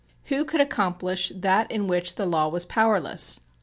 Who could accomplish that in which the law was powerless?